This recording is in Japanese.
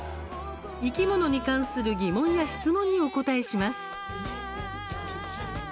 生き物に関する疑問や質問にお答えします。